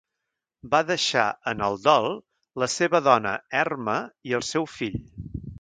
Va deixar en el dol la seva dona Erma i el seu fill.